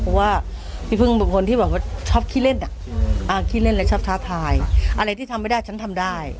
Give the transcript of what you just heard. เพราะว่าพี่พึ่งเป็นคนที่ชอบขี้เล่นอะไรที่ทำไม่ได้ฉันทำได้